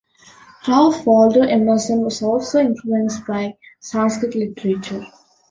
Ralph Waldo Emerson was also influenced by Sanskrit literature.